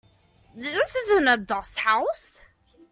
This isn't a doss house.